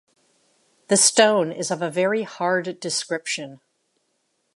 The stone is of a very hard description.